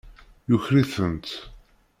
Yuker-itent.